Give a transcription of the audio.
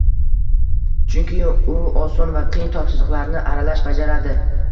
Chunki u oson va qiyin topshiriqlarni aralash bajaradi